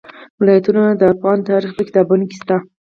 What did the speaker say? ولایتونه د افغان تاریخ په کتابونو کې شته.